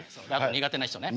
苦手な人。